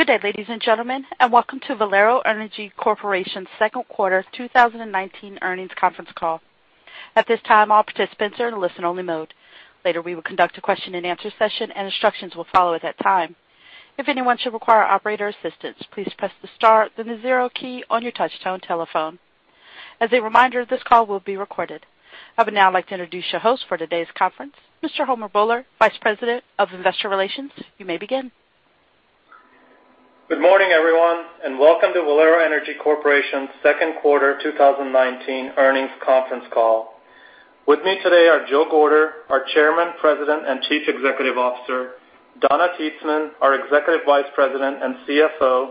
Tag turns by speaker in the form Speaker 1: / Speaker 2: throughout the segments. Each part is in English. Speaker 1: Good day, ladies and gentlemen, welcome to Valero Energy Corporation's second quarter 2019 earnings conference call. At this time, all participants are in listen-only mode. Later, we will conduct a question-and-answer session, instructions will follow at that time. If anyone should require operator assistance, please press the star, then the zero key on your touchtone telephone. As a reminder, this call will be recorded. I would now like to introduce your host for today's conference, Mr. Homer Bhullar, Vice President of Investor Relations. You may begin.
Speaker 2: Good morning, everyone, welcome to Valero Energy Corporation's second quarter 2019 earnings conference call. With me today are Joe Gorder, our Chairman, President, and Chief Executive Officer; Donna Titzman, our Executive Vice President and CFO;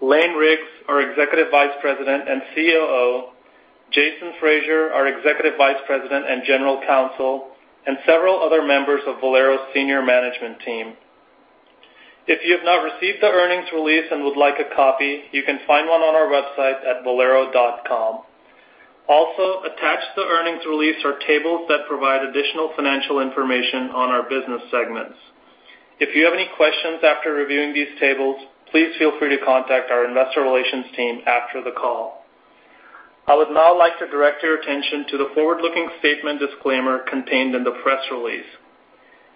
Speaker 2: Lane Riggs, our Executive Vice President and COO; Jason Fraser, our Executive Vice President and General Counsel; and several other members of Valero's senior management team. If you have not received the earnings release and would like a copy, you can find one on our website at valero.com. Also, attached to the earnings release are tables that provide additional financial information on our business segments. If you have any questions after reviewing these tables, please feel free to contact our investor relations team after the call. I would now like to direct your attention to the forward-looking statement disclaimer contained in the press release.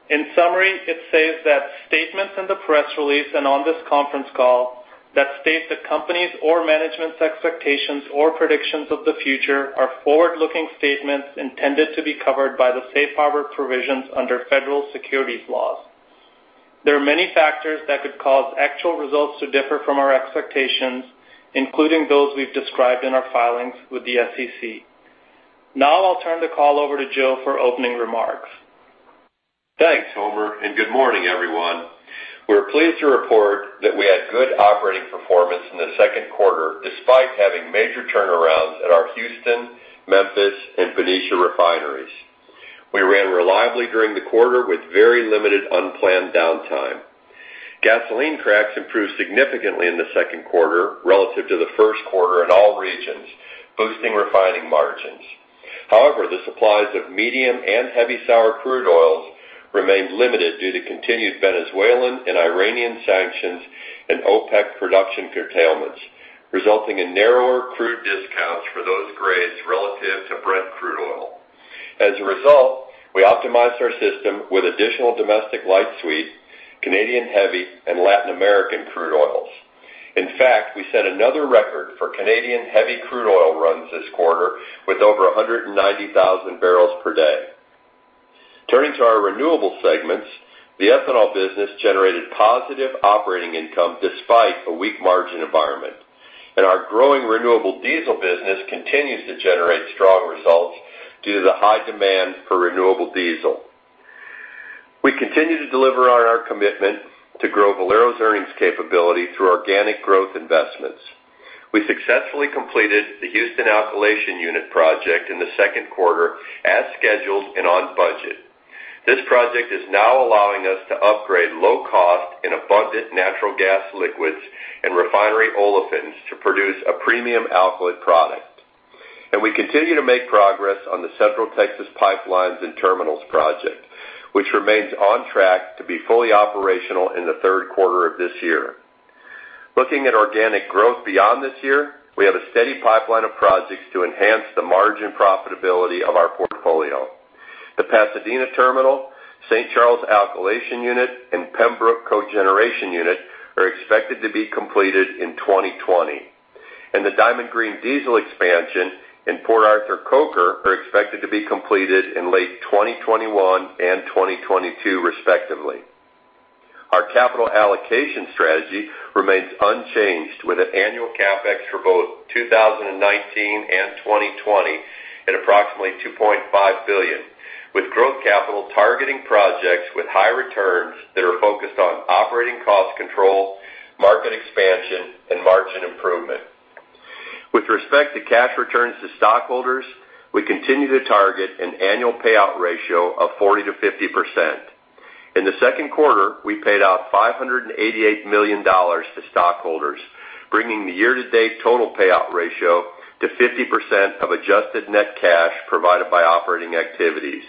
Speaker 2: In summary, it says that statements in the press release and on this conference call that state the company's or management's expectations or predictions of the future are forward-looking statements intended to be covered by the safe harbor provisions under federal securities laws. There are many factors that could cause actual results to differ from our expectations, including those we've described in our filings with the SEC. Now, I'll turn the call over to Joe for opening remarks.
Speaker 3: Thanks, Homer. Good morning, everyone. We're pleased to report that we had good operating performance in the second quarter, despite having major turnarounds at our Houston, Memphis, and Benicia refineries. We ran reliably during the quarter with very limited unplanned downtime. Gasoline cracks improved significantly in the second quarter relative to the first quarter in all regions, boosting refining margins. However, the supplies of medium and heavy sour crude oils remained limited due to continued Venezuelan and Iranian sanctions and OPEC production curtailments, resulting in narrower crude discounts for those grades relative to Brent crude oil. As a result, we optimized our system with additional domestic light sweet, Canadian heavy, and Latin American crude oils. In fact, we set another record for Canadian heavy crude oil runs this quarter with over 190,000 bbls per day. Turning to our renewable segments, the ethanol business generated positive operating income despite a weak margin environment. Our growing renewable diesel business continues to generate strong results due to the high demand for renewable diesel. We continue to deliver on our commitment to grow Valero's earnings capability through organic growth investments. We successfully completed the Houston Alkylation Unit project in the second quarter as scheduled and on budget. This project is now allowing us to upgrade low-cost and abundant natural gas liquids and refinery olefins to produce a premium alkylate product. We continue to make progress on the Central Texas Pipeline and Terminal Projects, which remains on track to be fully operational in the third quarter of this year. Looking at organic growth beyond this year, we have a steady pipeline of projects to enhance the margin profitability of our portfolio. The Pasadena Terminal, St. Charles Alkylation Unit, and Pembroke Cogeneration Unit are expected to be completed in 2020. The Diamond Green Diesel expansion and Port Arthur coker are expected to be completed in late 2021 and 2022, respectively. Our capital allocation strategy remains unchanged with an annual CapEx for both 2019 and 2020 at approximately $2.5 billion, with growth capital targeting projects with high returns that are focused on operating cost control, market expansion, and margin improvement. With respect to cash returns to stockholders, we continue to target an annual payout ratio of 40%-50%. In the second quarter, we paid out $588 million to stockholders, bringing the year-to-date total payout ratio to 50% of adjusted net cash provided by operating activities.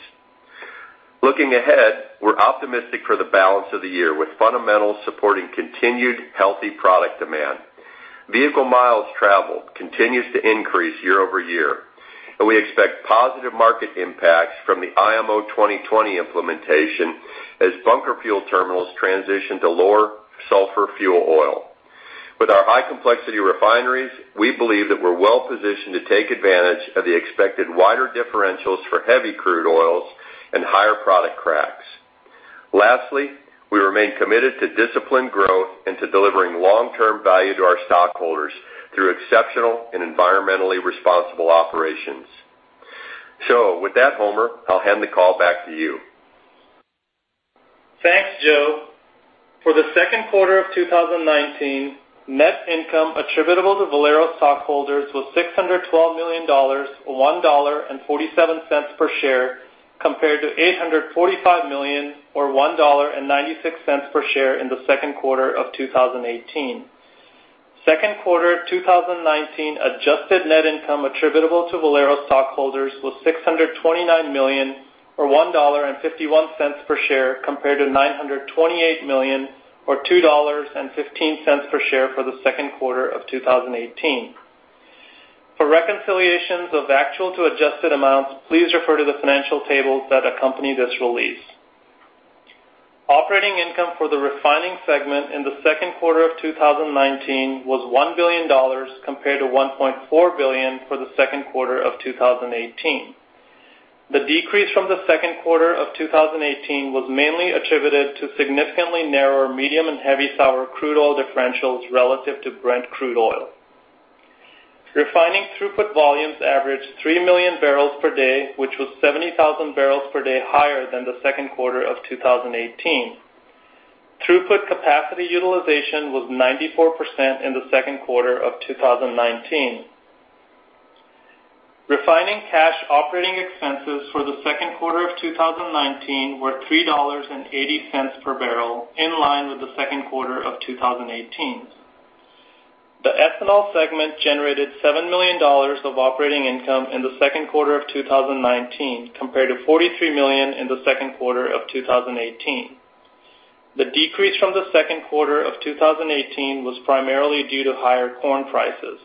Speaker 3: Looking ahead, we're optimistic for the balance of the year with fundamentals supporting continued healthy product demand. Vehicle miles traveled continues to increase year-over-year, and we expect positive market impacts from the IMO 2020 implementation as bunker fuel terminals transition to lower sulfur fuel oil. With our high-complexity refineries, we believe that we're well-positioned to take advantage of the expected wider differentials for heavy crude oils and higher product cracks. Lastly, we remain committed to disciplined growth and to delivering long-term value to our stockholders through exceptional and environmentally responsible operations. With that, Homer, I'll hand the call back to you.
Speaker 2: Thanks, Joe. For the second quarter of 2019, net income attributable to Valero stockholders was $612 million, or $1.47 per share, compared to $845 million, or $1.96 per share in the second quarter of 2018. Second quarter 2019 adjusted net income attributable to Valero stockholders was $629 million or $1.51 per share compared to $928 million or $2.15 per share for the second quarter of 2018. For reconciliations of actual to adjusted amounts, please refer to the financial tables that accompany this release. Operating income for the refining segment in the second quarter of 2019 was $1 billion compared to $1.4 billion for the second quarter of 2018. The decrease from the second quarter of 2018 was mainly attributed to significantly narrower medium and heavy sour crude oil differentials relative to Brent crude oil. Refining throughput volumes averaged 3 million barrels per day, which was 70,000 bbls per day higher than the second quarter of 2018. Throughput capacity utilization was 94% in the second quarter of 2019. Refining cash operating expenses for the second quarter of 2019 were $3.80 per barrel, in line with the second quarter of 2018. The ethanol segment generated $7 million of operating income in the second quarter of 2019 compared to $43 million in the second quarter of 2018. The decrease from the second quarter of 2018 was primarily due to higher corn prices.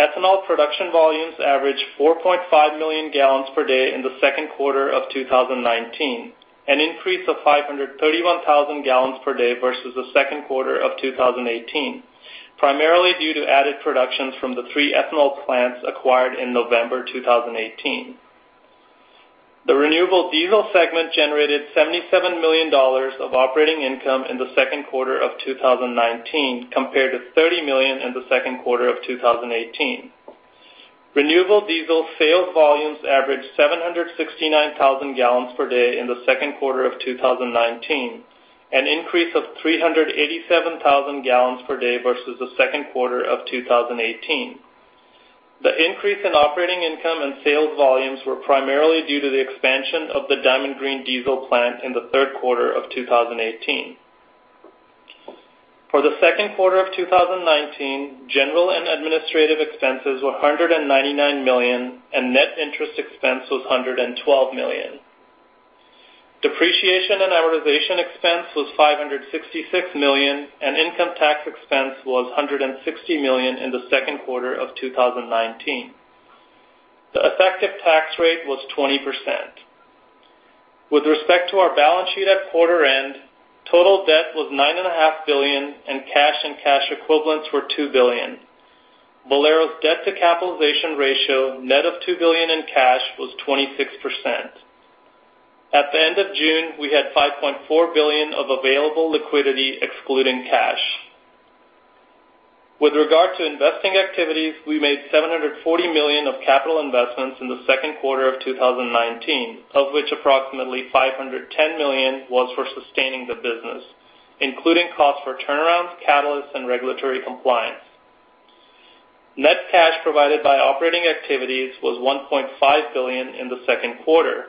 Speaker 2: Ethanol production volumes averaged 4.5 million gallons per day in the second quarter of 2019, an increase of 531,000 gallons per day versus the second quarter of 2018, primarily due to added productions from the three ethanol plants acquired in November 2018. The renewable diesel segment generated $77 million of operating income in the second quarter of 2019 compared to $30 million in the second quarter of 2018. Renewable diesel sales volumes averaged 769,000 gallons per day in the second quarter of 2019, an increase of 387,000 gallons per day versus the second quarter of 2018. The increase in operating income and sales volumes were primarily due to the expansion of the Diamond Green Diesel plant in the third quarter of 2018. For the second quarter of 2019, general and administrative expenses were $199 million and net interest expense was $112 million. Depreciation and amortization expense was $566 million, and income tax expense was $160 million in the second quarter of 2019. The effective tax rate was 20%. With respect to our balance sheet at quarter end, total debt was $9.5 billion, and cash and cash equivalents were $2 billion. Valero's debt to capitalization ratio net of $2 billion in cash was 26%. At the end of June, we had $5.4 billion of available liquidity excluding cash. With regard to investing activities, we made $740 million of capital investments in the second quarter of 2019, of which approximately $510 million was for sustaining the business, including costs for turnarounds, catalysts, and regulatory compliance. Net cash provided by operating activities was $1.5 billion in the second quarter.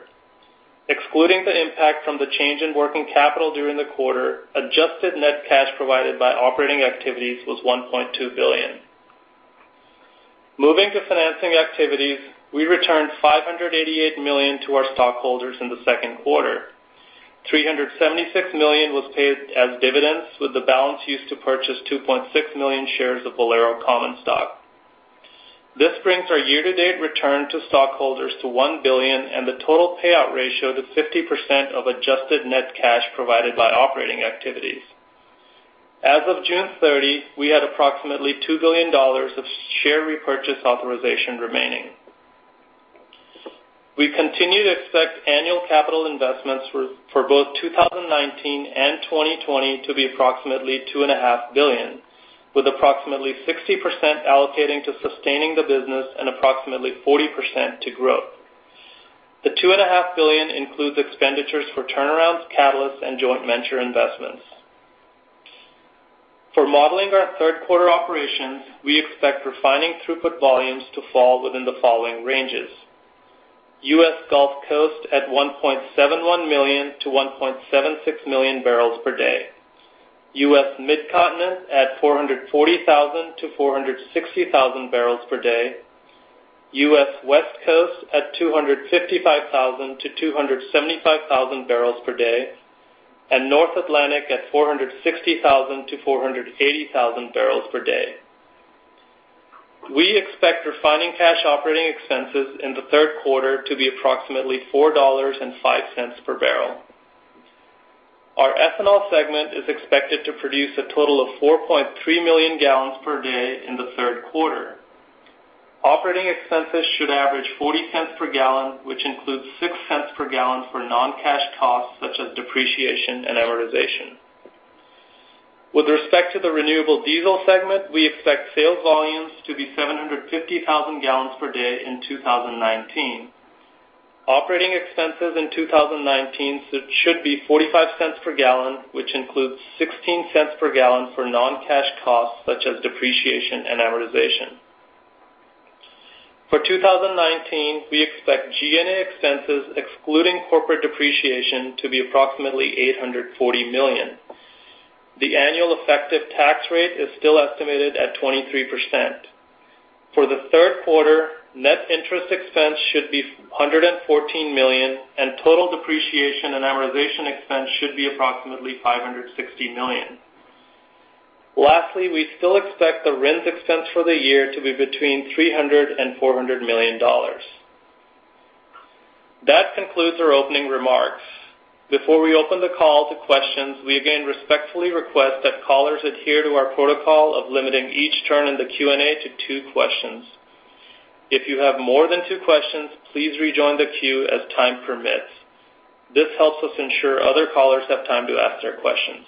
Speaker 2: Excluding the impact from the change in working capital during the quarter, adjusted net cash provided by operating activities was $1.2 billion. Moving to financing activities, we returned $588 million to our stockholders in the second quarter. $376 million was paid as dividends with the balance used to purchase 2.6 million shares of Valero common stock. This brings our year-to-date return to stockholders to $1 billion and the total payout ratio to 50% of adjusted net cash provided by operating activities. As of June 30, we had approximately $2 billion of share repurchase authorization remaining. We continue to expect annual capital investments for both 2019 and 2020 to be approximately $2.5 billion, with approximately 60% allocating to sustaining the business and approximately 40% to growth. The $2.5 billion includes expenditures for turnarounds, catalysts, and joint venture investments. For modeling our third quarter operations, we expect refining throughput volumes to fall within the following ranges. U.S. Gulf Coast at 1.71 million-1.76 million barrels per day, U.S. Midcontinent at 440,000 bbls-460,000 bbls per day, U.S. West Coast at 255,000 bbls-275,000 bbls per day, and North Atlantic at 460,000 bbls-480,000 bbls per day. We expect refining cash operating expenses in the third quarter to be approximately $4.05 per barrel. Our ethanol segment is expected to produce a total of 4.3 million gallons per day in the third quarter. Operating expenses should average $0.40 per gallon, which includes $0.06 per gallon for non-cash costs such as depreciation and amortization. With respect to the renewable diesel segment, we expect sales volumes to be 750,000 gallons per day in 2019. Operating expenses in 2019 should be $0.45 per gallon, which includes $0.16 per gallon for non-cash costs such as depreciation and amortization. For 2019, we expect G&A expenses, excluding corporate depreciation, to be approximately $840 million. The annual effective tax rate is still estimated at 23%. For the third quarter, net interest expense should be $114 million, and total depreciation and amortization expense should be approximately $560 million. Lastly, we still expect the RINs expense for the year to be between $300 million and $400 million. That concludes our opening remarks. Before we open the call to questions, we again respectfully request that callers adhere to our protocol of limiting each turn in the Q&A to two questions. If you have more than two questions, please rejoin the queue as time permits. This helps us ensure other callers have time to ask their questions.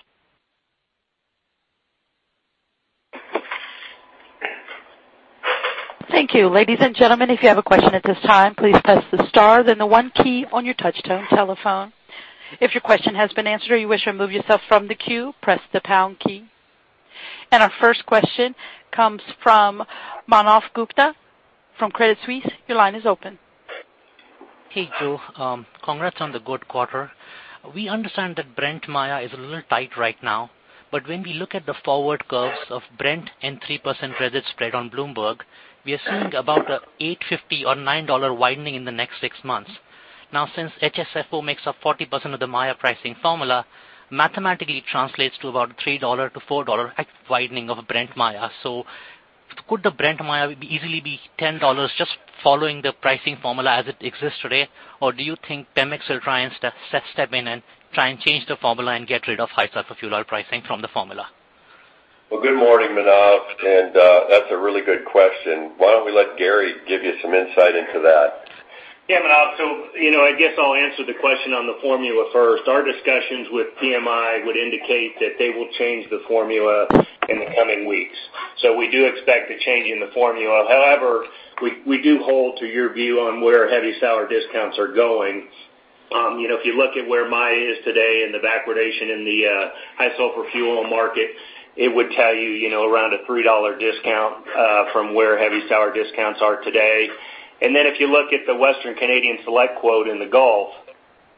Speaker 1: Thank you. Ladies and gentlemen, if you have a question at this time, please press the star, then the one key on your touchtone telephone. If your question has been answered or you wish to remove yourself from the queue, press the pound key. Our first question comes from Manav Gupta from Credit Suisse. Your line is open.
Speaker 4: Hey, Joe. Congrats on the good quarter. We understand that Brent Maya is a little tight right now, but when we look at the forward curves of Brent and 3% credit spread on Bloomberg, we are seeing about $8.50 or $9 widening in the next six months. Since HSFO makes up 40% of the Maya pricing formula, mathematically translates to about $3 to $4 widening of Brent Maya. Could the Brent Maya easily be $10 just following the pricing formula as it exists today? Do you think Pemex will try and step in and try and change the formula and get rid of high sulfur fuel oil pricing from the formula?
Speaker 3: Well, good morning, Manav, and that's a really good question. Why don't we let Gary give you some insight into that?
Speaker 5: Yeah, Manav. I guess I'll answer the question on the formula first. Our discussions with PMI would indicate that they will change the formula in the coming weeks. We do expect a change in the formula. However, we do hold to your view on where heavy sour discounts are going. If you look at where Maya is today in the backwardation in the high sulfur fuel oil market, it would tell you around a $3 discount from where heavy sour discounts are today. If you look at the Western Canadian Select quote in the Gulf,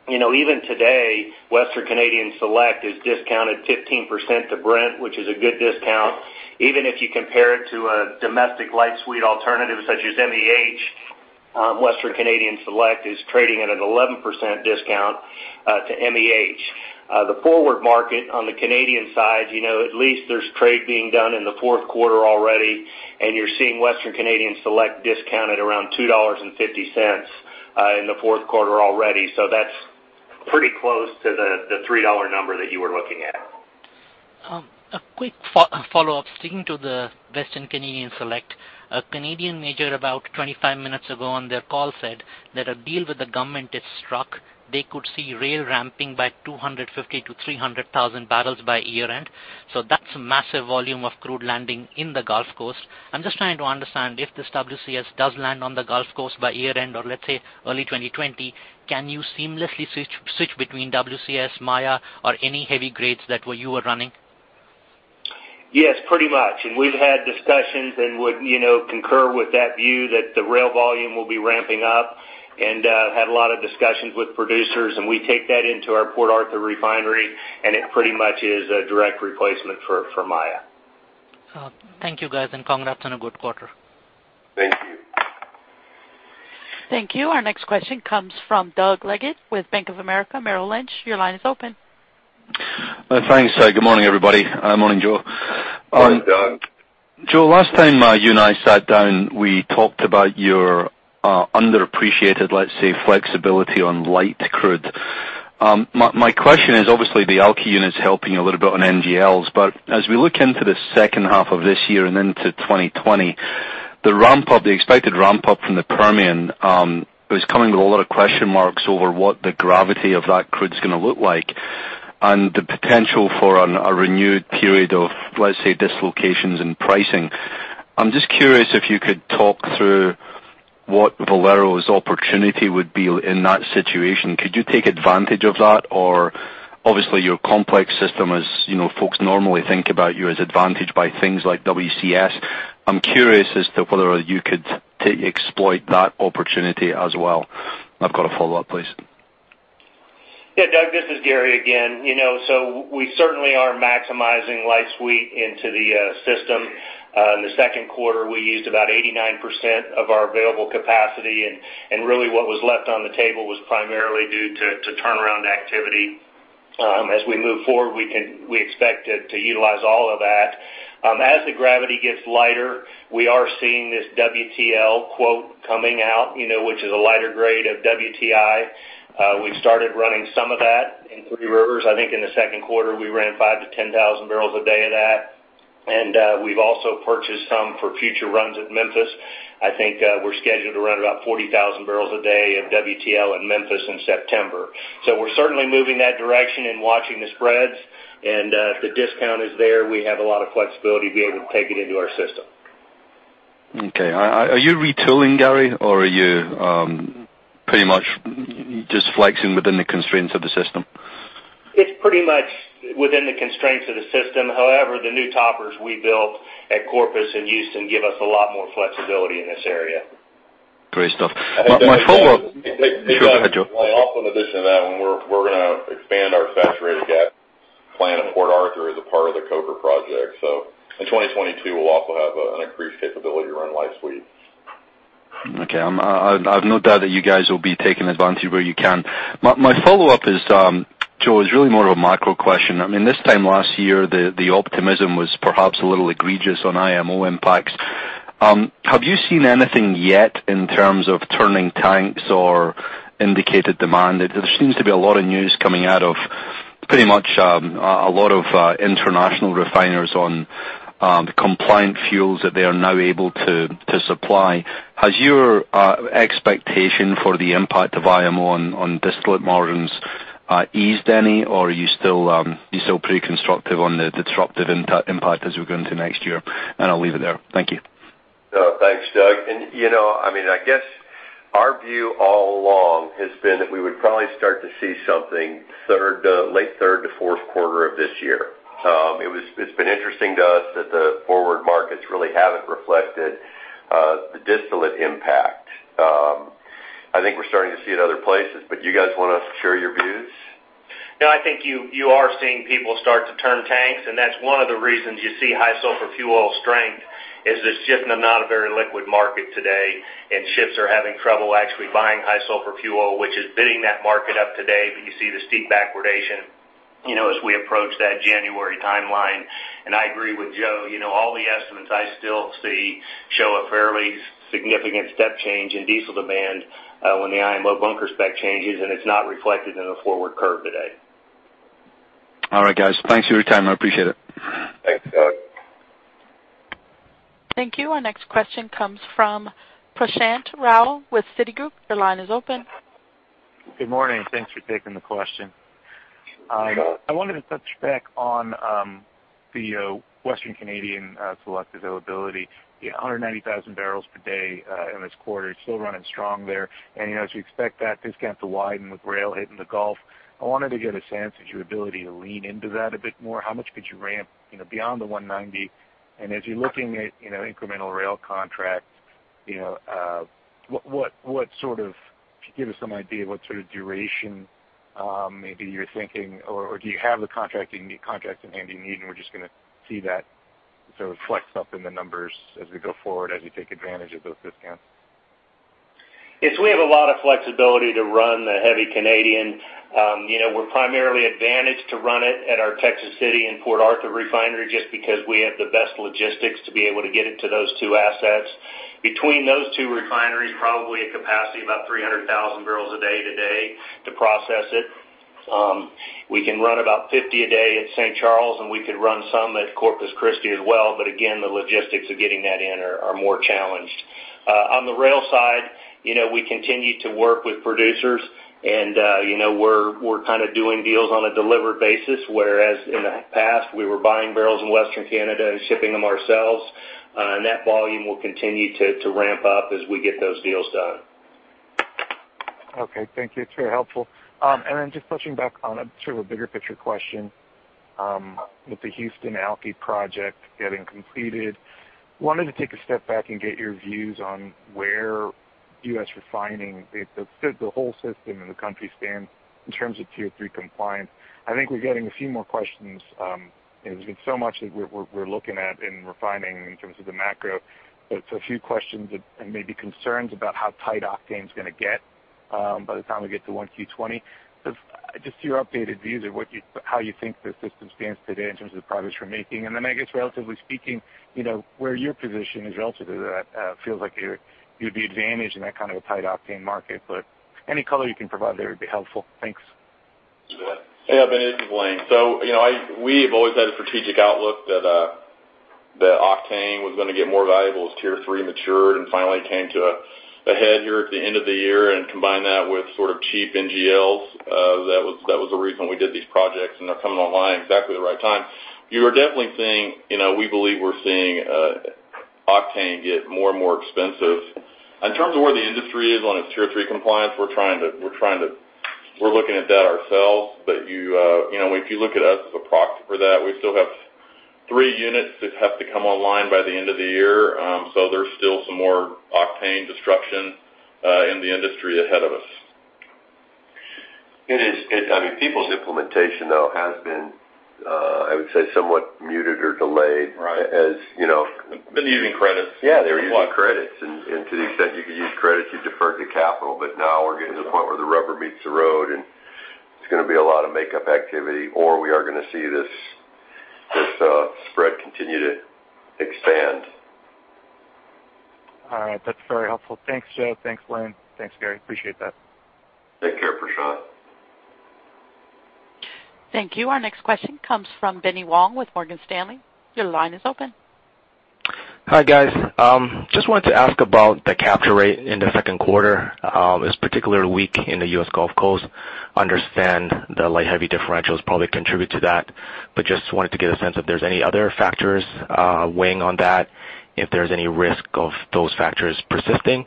Speaker 5: even today, Western Canadian Select is discounted 15% to Brent, which is a good discount. Even if you compare it to a domestic light sweet alternative such as MEH, Western Canadian Select is trading at an 11% discount to MEH. The forward market on the Canadian side, at least there's trade being done in the fourth quarter already. You're seeing Western Canadian Select discounted around $2.50 in the fourth quarter already. That's pretty close to the $3 number that you were looking at.
Speaker 4: A quick follow-up. Sticking to the Western Canadian Select. A Canadian major about 25 minutes ago on their call said that a deal with the government is struck. They could see rail ramping by 250,000 bbls-300,000 bbls by year-end. That's a massive volume of crude landing in the Gulf Coast. I'm just trying to understand if this WCS does land on the Gulf Coast by year-end or let's say early 2020, can you seamlessly switch between WCS, Maya, or any heavy grades that you are running?
Speaker 5: Yes, pretty much. We've had discussions and would concur with that view that the rail volume will be ramping up and had a lot of discussions with producers, and we take that into our Port Arthur refinery, and it pretty much is a direct replacement for Maya.
Speaker 4: Thank you, guys, and congrats on a good quarter.
Speaker 5: Thank you.
Speaker 1: Thank you. Our next question comes from Doug Leggate with Bank of America Merrill Lynch. Your line is open.
Speaker 6: Thanks. Good morning, everybody. Morning, Joe.
Speaker 3: Morning, Doug.
Speaker 6: Joe, last time you and I sat down, we talked about your underappreciated, let's say, flexibility on light crude. My question is obviously the alky unit's helping a little bit on NGLs. As we look into the second half of this year and into 2020, the expected ramp-up from the Permian is coming with a lot of question marks over what the gravity of that crude's going to look like and the potential for a renewed period of, let's say, dislocations in pricing. I'm just curious if you could talk through what Valero's opportunity would be in that situation. Could you take advantage of that? Obviously your complex system is folks normally think about you as advantaged by things like WCS. I'm curious as to whether you could exploit that opportunity as well. I've got a follow-up, please.
Speaker 5: Yeah. Doug, this is Gary again. We certainly are maximizing light sweet into the system. In the second quarter, we used about 89% of our available capacity, and really what was left on the table was primarily due to turnaround activity. As we move forward, we expect to utilize all of that. As the gravity gets lighter, we are seeing this WTL quote coming out, which is a lighter grade of WTI. We've started running some of that in Three Rivers. I think in the second quarter, we ran 5,000 bbls-10,000 bbls a day of that. We've also purchased some for future runs at Memphis. I think we're scheduled to run about 40,000 bbls a day of WTL in Memphis in September. We're certainly moving that direction and watching the spreads, and if the discount is there, we have a lot of flexibility to be able to take it into our system.
Speaker 6: Okay. Are you retooling, Gary, or are you pretty much just flexing within the constraints of the system?
Speaker 5: It's pretty much within the constraints of the system. The new toppers we built at Corpus and Houston give us a lot more flexibility in this area.
Speaker 6: Great stuff. My follow-up--
Speaker 7: In addition to that one, we're going to expand our saturated gas plant at Port Arthur as a part of the Coker project. In 2022, we'll also have an increased capability to run light sweet.
Speaker 6: Okay. I've no doubt that you guys will be taking advantage where you can. My follow-up, Joe, is really more of a macro question. This time last year, the optimism was perhaps a little egregious on IMO impacts. Have you seen anything yet in terms of turning tanks or indicated demand? There seems to be a lot of news coming out of pretty much a lot of international refiners on the compliant fuels that they are now able to supply. Has your expectation for the impact of IMO on distillate margins eased any, or are you still pretty constructive on the disruptive impact as we go into next year? I'll leave it there. Thank you.
Speaker 3: Thanks, Doug. I guess our view all along has been that we would probably start to see something late third to fourth quarter of this year. It's been interesting to us that the forward markets really haven't reflected the distillate impact. I think we're starting to see it other places, but you guys want to share your views?
Speaker 5: I think you are seeing people start to turn tanks. That's one of the reasons you see high sulfur fuel oil strength, is it's just not a very liquid market today. Ships are having trouble actually buying high sulfur fuel, which is bidding that market up today. You see the steep backwardation as we approach that January timeline. I agree with Joe. All the estimates I still see show a fairly significant step change in diesel demand when the IMO bunker spec changes. It's not reflected in the forward curve today.
Speaker 6: All right, guys. Thanks for your time. I appreciate it.
Speaker 3: Thanks, Doug.
Speaker 1: Thank you. Our next question comes from Prashant Rao with Citigroup. Your line is open.
Speaker 8: Good morning. Thanks for taking the question. I wanted to touch back on the Western Canadian Select availability. 190,000 barrels per day in this quarter. You're still running strong there. As you expect that discount to widen with rail hitting the Gulf, I wanted to get a sense of your ability to lean into that a bit more. How much could you ramp beyond the 190? As you're looking at incremental rail contracts, could you give us some idea what sort of duration maybe you're thinking? Do you have the contracts in handy and we're just going to see that sort of flex up in the numbers as we go forward, as we take advantage of those discounts?
Speaker 5: Yes, we have a lot of flexibility to run the Canadian heavy. We're primarily advantaged to run it at our Texas City and Port Arthur refinery just because we have the best logistics to be able to get it to those two assets. Between those two refineries, probably a capacity of about 300,000 bbls a day today to process it. We can run about 50 a day at St. Charles, and we could run some at Corpus Christi as well. Again, the logistics of getting that in are more challenged. On the rail side, we continue to work with producers, and we're kind of doing deals on a delivered basis, whereas in the past, we were buying barrels in Western Canada and shipping them ourselves. That volume will continue to ramp up as we get those deals done.
Speaker 8: Okay. Thank you. It's very helpful. Just touching back on sort of a bigger picture question. With the Houston ALKY project getting completed, wanted to take a step back and get your views on where U.S. refining, the whole system in the country stands in terms of Tier 3 compliance. I think we're getting a few more questions. There's been so much that we're looking at in refining in terms of the macro, but a few questions and maybe concerns about how tight octane's going to get by the time we get to 1Q 2020. Just your updated views of how you think the system stands today in terms of the progress we're making. I guess relatively speaking, where your position is relative to that. Feels like you'd be advantaged in that kind of a tight octane market. Any color you can provide there would be helpful. Thanks.
Speaker 7: This is Lane. We have always had a strategic outlook that octane was going to get more valuable as Tier 3 matured and finally came to a head here at the end of the year and combine that with sort of cheap NGLs. That was the reason we did these projects, and they're coming online exactly the right time. We believe we're seeing octane get more and more expensive. In terms of where the industry is on its Tier 3 compliance, we're looking at that ourselves. If you look at us as a proxy for that, we still have three units that have to come online by the end of the year. There's still some more octane disruption in the industry ahead of us.
Speaker 3: It is. I mean, people's implementation, though, has been, I would say, somewhat muted or delayed.
Speaker 7: Right. They've been using credits.
Speaker 3: Yeah, they were using credits. To the extent you could use credits, you deferred your capital. Now we're getting to the point where the rubber meets the road, and it's going to be a lot of makeup activity, or we are going to see this spread continue to expand.
Speaker 8: All right. That's very helpful. Thanks, Joe. Thanks, Lane. Thanks, Gary. Appreciate that.
Speaker 7: Take care, Prashant.
Speaker 1: Thank you. Our next question comes from Benny Wong with Morgan Stanley. Your line is open.
Speaker 9: Hi, guys. Just wanted to ask about the capture rate in the second quarter. It was particularly weak in the U.S. Gulf Coast. Understand the light heavy differentials probably contribute to that. Just wanted to get a sense if there's any other factors weighing on that, if there's any risk of those factors persisting?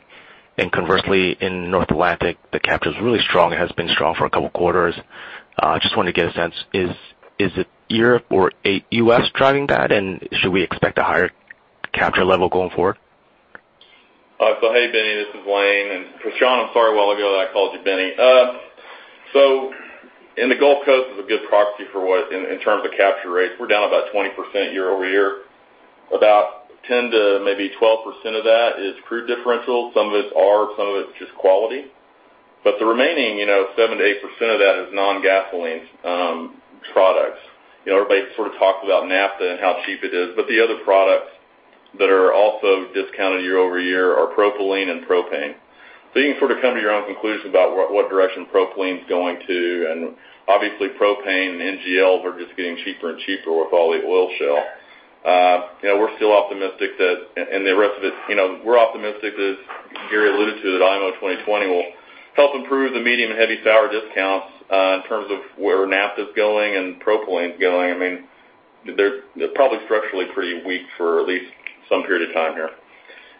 Speaker 9: Conversely, in North Atlantic, the capture is really strong. It has been strong for a couple of quarters. Just wanted to get a sense, is it Europe or U.S. driving that? Should we expect a higher capture level going forward?
Speaker 7: Hey, Benny, this is Lane. Prashant, I'm sorry, a while ago I called you Benny. In the Gulf Coast is a good proxy for what, in terms of capture rates. We're down about 20% year-over-year. About 10% to maybe 12% of that is crude differential. Some of it's arb, some of it's just quality. The remaining 7%-8% of that is non-gasoline products. Everybody sort of talks about naphtha and how cheap it is, but the other products that are also discounted year-over-year are propylene and propane. You can sort of come to your own conclusion about what direction propylene is going to, and obviously propane and NGLs are just getting cheaper and cheaper with all the shale oil. We're still optimistic that, and the rest of it, we're optimistic, as Gary alluded to, that IMO 2020 will help improve the medium and heavy sour discounts in terms of where naphtha is going and propylene is going. They're probably structurally pretty weak for at least some period of time here.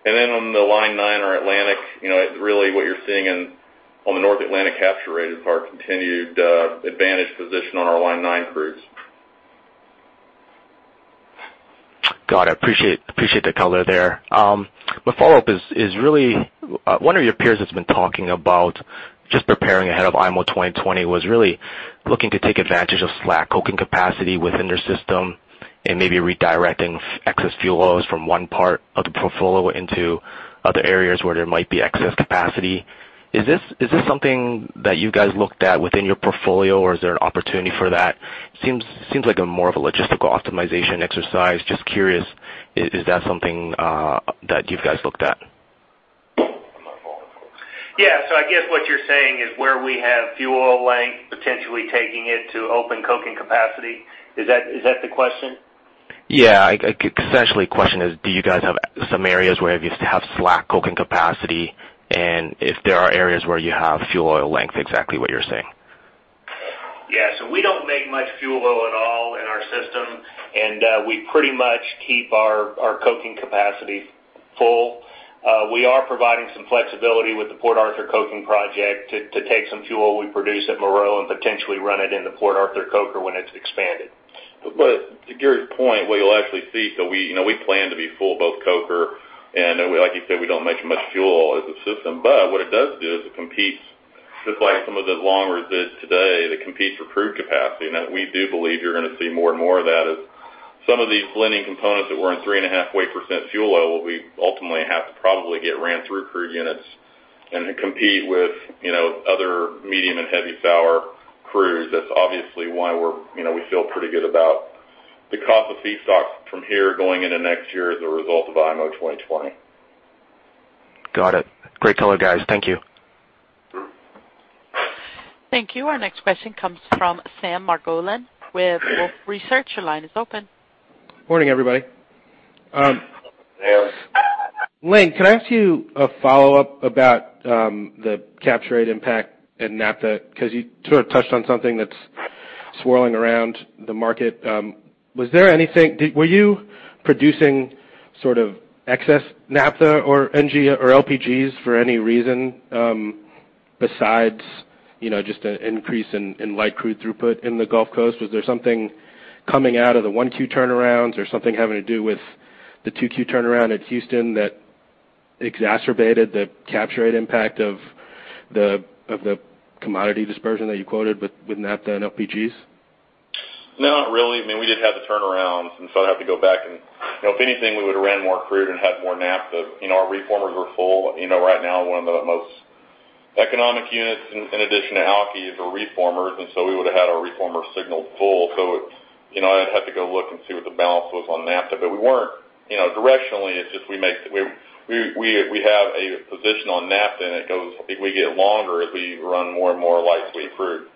Speaker 7: On the Line 9 or Atlantic, really what you're seeing on the North Atlantic capture rate is our continued advantage position on our Line 9 crudes.
Speaker 9: Got it. Appreciate the color there. My follow-up is really, one of your peers has been talking about just preparing ahead of IMO 2020 was really looking to take advantage of slack coking capacity within their system and maybe redirecting excess fuel oils from one part of the portfolio into other areas where there might be excess capacity. Is this something that you guys looked at within your portfolio, or is there an opportunity for that? Seems like a more of a logistical optimization exercise. Just curious, is that something that you guys looked at?
Speaker 5: Yeah. I guess what you're saying is where we have fuel oil length, potentially taking it to open coking capacity. Is that the question?
Speaker 9: Yeah. Essentially, question is, do you guys have some areas where you have slack coking capacity, and if there are areas where you have fuel oil length, exactly what you're saying.
Speaker 5: We don't make much fuel oil at all in our system, and we pretty much keep our coking capacity full. We are providing some flexibility with the Port Arthur Coker Project to take some fuel we produce at Meraux and potentially run it into Port Arthur Coker when it's expanded.
Speaker 7: To Gary's point, what you'll actually see, so we plan to be full both coker and like you said, we don't make much fuel oil as a system, but what it does do is it competes just like some of the long resids today that competes for crude capacity. That we do believe you're going to see more and more of that as some of these blending components that were in three and a half weight percent fuel oil will be ultimately have to probably get ran through crude units and compete with other medium and heavy sour crudes. That's obviously why we feel pretty good about the cost of feedstock from here going into next year as a result of IMO 2020.
Speaker 9: Got it. Great color, guys. Thank you.
Speaker 1: Thank you. Our next question comes from Sam Margolin with Wolfe Research. Your line is open.
Speaker 10: Morning, everybody. Lane, can I ask you a follow-up about the capture rate impact and naphtha? You sort of touched on something that's swirling around the market. Was there anything, were you producing sort of excess naphtha or NG or LPGs for any reason besides just an increase in light crude throughput in the Gulf Coast? Was there something coming out of the 1Q turnarounds or something having to do with the Q2 turnaround at Houston that exacerbated the capture rate impact of the commodity dispersion that you quoted with naphtha and LPGs?
Speaker 7: Not really. We did have the turnarounds, and so I'd have to go back and If anything, we would've ran more crude and had more naphtha. Our reformers were full. Right now, one of the most economic units in addition to alky is our reformers, and so we would have had our reformers signaled full. I'd have to go look and see what the balance was on naphtha. Directionally, it's just we have a position on naphtha and we get longer as we run more and more light sweet crude.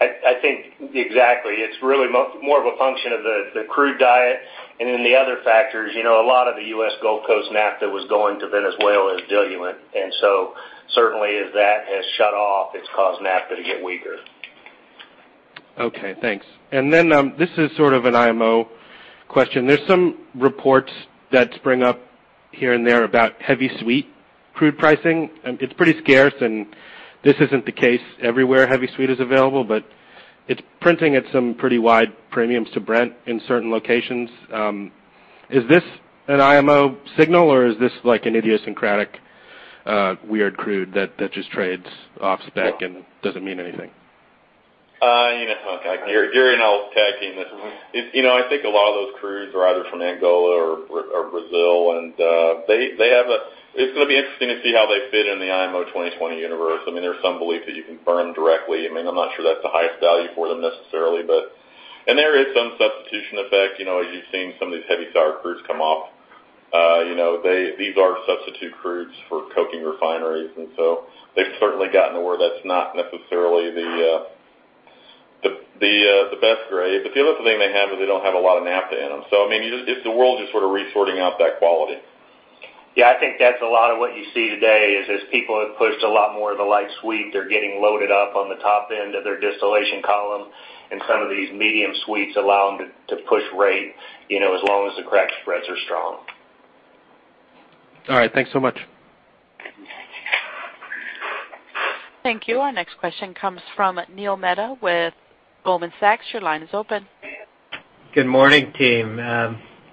Speaker 5: I think exactly. It's really more of a function of the crude diet. The other factor is a lot of the U.S. Gulf Coast naphtha was going to Venezuela as diluent. Certainly as that has shut off, it's caused naphtha to get weaker.
Speaker 10: Okay, thanks. This is sort of an IMO question. There's some reports that spring up here and there about heavy sweet crude pricing. It's pretty scarce, and this isn't the case everywhere heavy sweet is available, but it's printing at some pretty wide premiums to Brent in certain locations. Is this an IMO signal, or is this like an idiosyncratic weird crude that just trades off spec and doesn't mean anything?
Speaker 7: Gary and I will tag team this. I think a lot of those crudes are either from Angola or Brazil. It's going to be interesting to see how they fit in the IMO 2020 universe. There's some belief that you can burn directly. I'm not sure that's the highest value for them necessarily. There is some substitution effect. As you've seen, some of these heavy sour crudes come off. These are substitute crudes for coking refineries. They've certainly gotten to where that's not necessarily the best grade. The other thing they have is they don't have a lot of naphtha in them. It's the world just sort of resorting out that quality.
Speaker 5: Yeah, I think that's a lot of what you see today is as people have pushed a lot more of the light sweet, they're getting loaded up on the top end of their distillation column, and some of these medium sweets allow them to push rate as long as the crack spreads are strong.
Speaker 10: All right. Thanks so much.
Speaker 1: Thank you. Our next question comes from Neil Mehta with Goldman Sachs. Your line is open.
Speaker 11: Good morning, team.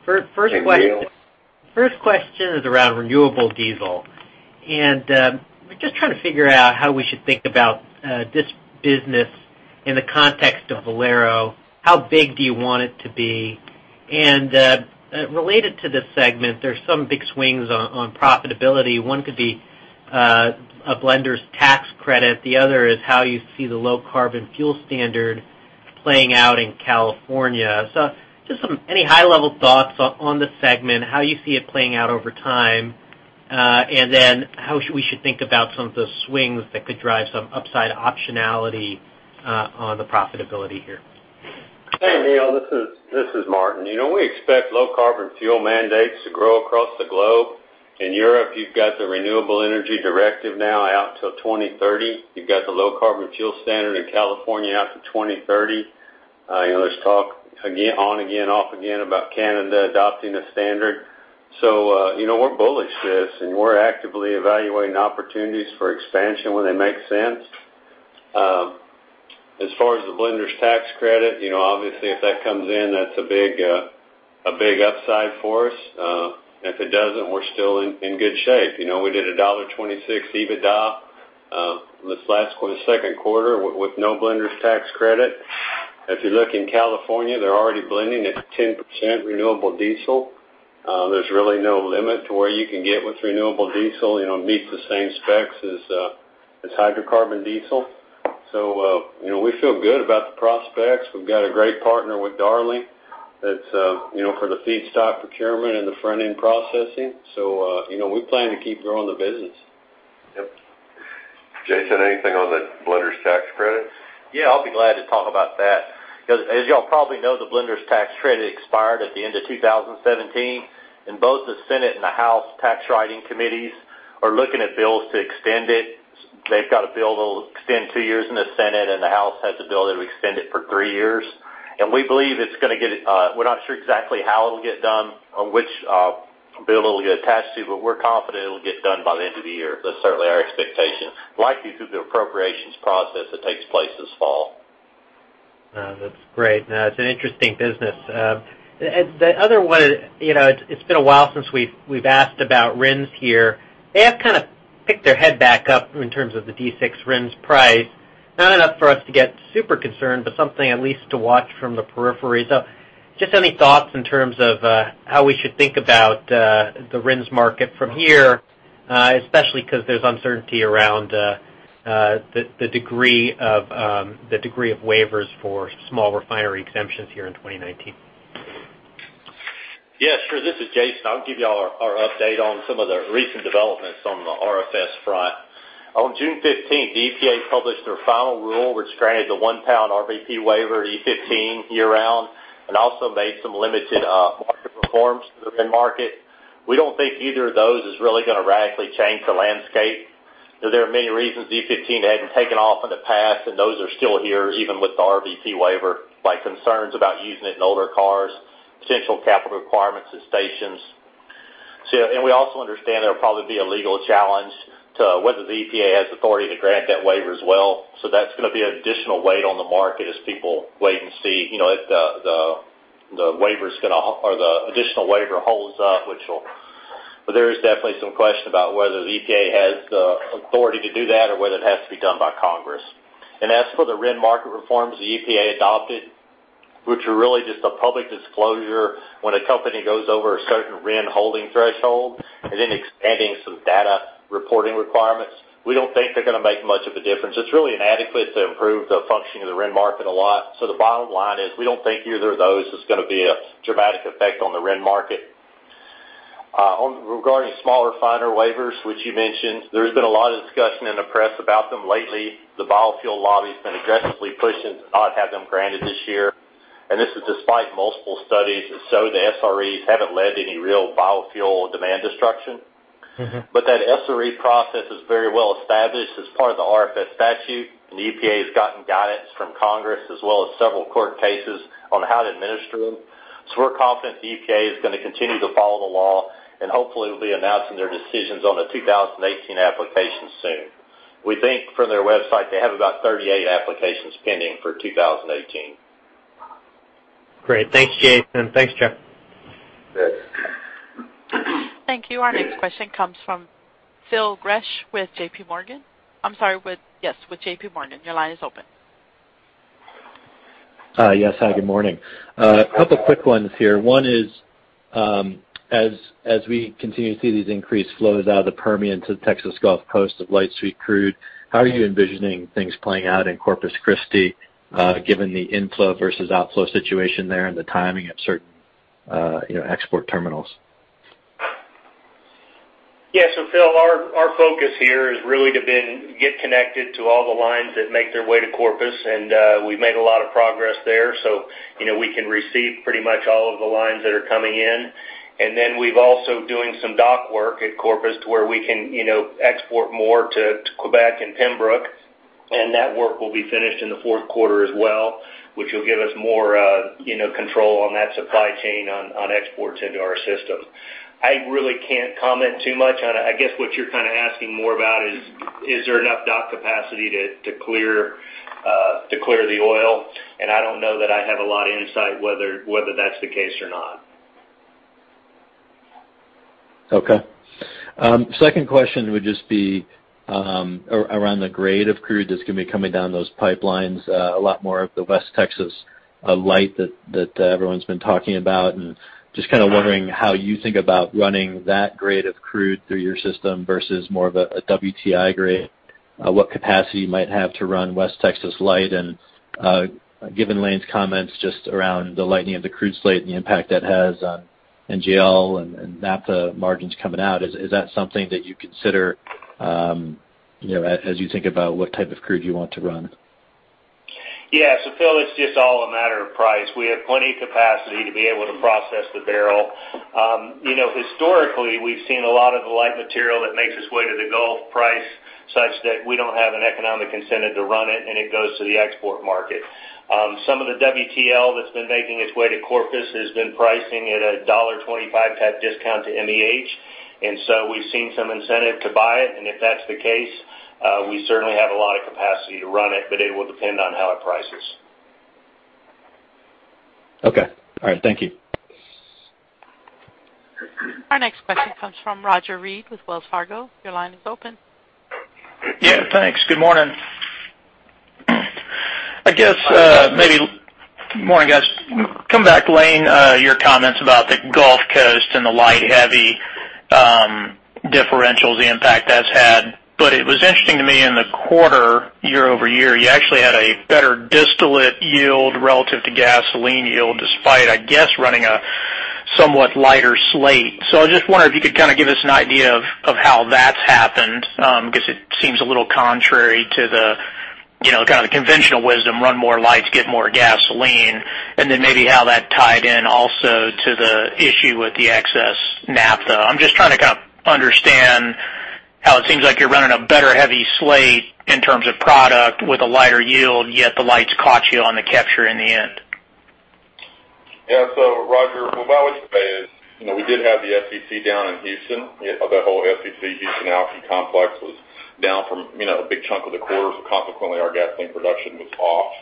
Speaker 3: Good morning, Neil.
Speaker 11: First question is around renewable diesel, and we're just trying to figure out how we should think about this business in the context of Valero. How big do you want it to be? Related to this segment, there's some big swings on profitability. One could be a blender's tax credit, the other is how you see the Low Carbon Fuel Standard playing out in California. Just any high-level thoughts on this segment, how you see it playing out over time, and then how we should think about some of the swings that could drive some upside optionality on the profitability here.
Speaker 12: Hey, Neil, this is Martin. We expect low carbon fuel mandates to grow across the globe. In Europe, you've got the Renewable Energy Directive now out until 2030. You've got the Low Carbon Fuel Standard in California out to 2030. There's talk on again, off again about Canada adopting a standard. We're bullish to this, and we're actively evaluating opportunities for expansion when they make sense. As far as the blender's tax credit, obviously if that comes in, that's a big upside for us. If it doesn't, we're still in good shape. We did $1.26 EBITDA this second quarter with no blender's tax credit. If you look in California, they're already blending at 10% renewable diesel. There's really no limit to where you can get with renewable diesel, it meets the same specs as hydrocarbon diesel. We feel good about the prospects. We've got a great partner with Darling for the feedstock procurement and the front-end processing. We plan to keep growing the business.
Speaker 3: Yep. Jason, anything on the blender's tax credits?
Speaker 13: Yeah, I'll be glad to talk about that. As you all probably know, the blender's tax credit expired at the end of 2017, and both the Senate and the House tax writing committees are looking at bills to extend it. They've got a bill that'll extend two years in the Senate, and the House has a bill that'll extend it for three years. We're not sure exactly how it'll get done or which bill it'll get attached to, but we're confident it'll get done by the end of the year. That's certainly our expectation. Likely through the appropriations process that takes place this fall.
Speaker 11: That's great. No, it's an interesting business. The other one, it's been a while since we've asked about RINs here. They have kind of picked their head back up in terms of the D6 RINs price. Not enough for us to get super concerned, but something at least to watch from the periphery. Just any thoughts in terms of how we should think about the RINs market from here, especially because there's uncertainty around the degree of waivers for Small Refinery Exemptions here in 2019.
Speaker 13: Yeah, sure. This is Jason. I'll give you all our update on some of the recent developments on the RFS front. On June 15th, the EPA published their final rule, which granted the one-pound RVP waiver, E15 year-round, also made some limited market reforms to the RIN market. We don't think either of those is really going to radically change the landscape. There are many reasons E15 hadn't taken off in the past, those are still here, even with the RVP waiver, like concerns about using it in older cars, potential capital requirements at stations. We also understand there will probably be a legal challenge to whether the EPA has authority to grant that waiver as well. That's going to be an additional weight on the market as people wait and see if the additional waiver holds up. There is definitely some question about whether the EPA has the authority to do that or whether it has to be done by Congress. As for the RIN market reforms the EPA adopted, which are really just a public disclosure when a company goes over a certain RIN holding threshold and then expanding some data reporting requirements. We don't think they're going to make much of a difference. It's really inadequate to improve the functioning of the RIN market a lot. The bottom line is, we don't think either of those is going to be a dramatic effect on the RIN market. Regarding small refinery waivers, which you mentioned, there's been a lot of discussion in the press about them lately. The biofuel lobby has been aggressively pushing to have them granted this year. This is despite multiple studies that show the SREs haven't led to any real biofuel demand destruction. That SRE process is very well established as part of the RFS statute, and the EPA has gotten guidance from Congress as well as several court cases on how to administer them. We're confident the EPA is going to continue to follow the law and hopefully will be announcing their decisions on the 2018 applications soon. We think from their website, they have about 38 applications pending for 2018.
Speaker 11: Great. Thanks, Jason. Thanks, Joe.
Speaker 3: Yes.
Speaker 1: Thank you. Our next question comes from Phil Gresh with JPMorgan. I'm sorry, yes, with JPMorgan. Your line is open.
Speaker 14: Yes. Hi, good morning. A couple quick ones here. One is, as we continue to see these increased flows out of the Permian to the Texas Gulf Coast of light sweet crude, how are you envisioning things playing out in Corpus Christi given the inflow versus outflow situation there and the timing of certain export terminals?
Speaker 5: Yeah. Phil, our focus here has really been get connected to all the lines that make their way to Corpus, and we've made a lot of progress there. We can receive pretty much all of the lines that are coming in. Then we're also doing some dock work at Corpus to where we can export more to Quebec and Pembroke. That work will be finished in the fourth quarter as well, which will give us more control on that supply chain on exports into our system. I really can't comment too much on it. I guess what you're asking more about is there enough dock capacity to clear the oil? I don't know that I have a lot of insight whether that's the case or not.
Speaker 14: Okay. Second question would just be around the grade of crude that's going to be coming down those pipelines. A lot more of the West Texas Light that everyone's been talking about, and just wondering how you think about running that grade of crude through your system versus more of a WTI grade. What capacity you might have to run West Texas Light and, given Lane's comments just around the lightening of the crude slate and the impact that has on NGL and naphtha margins coming out. Is that something that you consider as you think about what type of crude you want to run?
Speaker 5: Yeah. Phil, it's just all a matter of price. We have plenty capacity to be able to process the barrel. Historically, we've seen a lot of the light material that makes its way to the Gulf price such that we don't have an economic incentive to run it goes to the export market. Some of the WTL that's been making its way to Corpus has been pricing at a $1.25 type discount to MEH, we've seen some incentive to buy it, if that's the case, we certainly have a lot of capacity to run it will depend on how it prices.
Speaker 14: Okay. All right. Thank you.
Speaker 1: Our next question comes from Roger Read with Wells Fargo. Your line is open.
Speaker 15: Yeah, thanks. Good morning. Morning, guys. Come back, Lane, your comments about the Gulf Coast and the light heavy differentials, the impact that's had. It was interesting to me in the quarter, year-over-year, you actually had a better distillate yield relative to gasoline yield, despite, I guess, running a somewhat lighter slate. I just wonder if you could give us an idea of how that's happened, because it seems a little contrary to the conventional wisdom, run more lights, get more gasoline, and then maybe how that tied in also to the issue with the excess naphtha. I'm just trying to understand how it seems like you're running a better heavy slate in terms of product with a lighter yield, yet the lights caught you on the capture in the end.
Speaker 7: Yeah. Roger, what I would say is, we did have the FCC down in Houston. That whole FCC Houston alkylation complex was down for a big chunk of the quarter. Consequently, our gasoline production was off.